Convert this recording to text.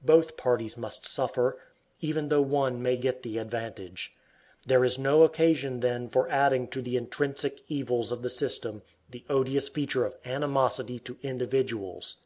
Both parties must suffer, even though one may get the advantage. There is no occasion then for adding to the intrinsic evils of the system the odious feature of animosity to individuals.